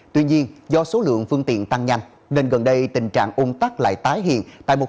tuy nhiên do số lượng phương tiện tăng nhanh nên gần đây tình trạng ung tắc lại tái hiện